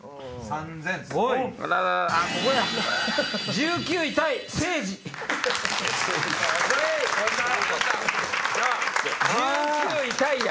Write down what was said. １９位タイや。